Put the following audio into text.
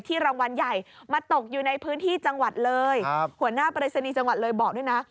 รางวัลใหญ่มาตกอยู่ในพื้นที่จังหวัดเลยหัวหน้าปริศนีย์จังหวัดเลยบอกด้วยนะ